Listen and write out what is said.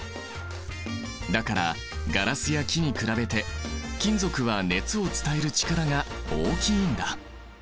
だからガラスや木に比べて金属は熱を伝える力が大きいんだ。